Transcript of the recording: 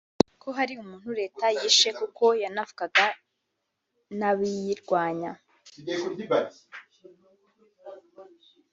ko hari umuntu Leta yishe kuko yavuganaga n’abayirwanya